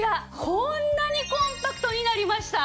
こんなにコンパクトになりました。